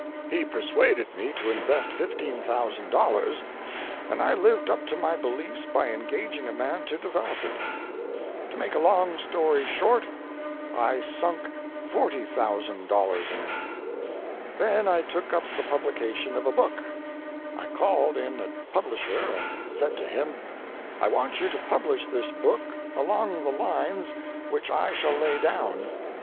He persuaded me to invest $15,000, and I lived up to my beliefs by engaging a man to develop it. To make a long story short, I sunk $40,000 in it. Then I took up the publication of a book. I called in a publisher and said to him: "I want you to publish this book along lines which I shall lay down.